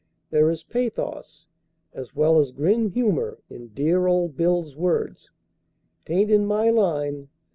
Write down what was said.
There is pathos, as well as grim humor, in "dear old Bill's" words: "'Taint in my line.